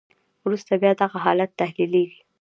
وروسته بیا دغه حالت تحلیلیږي.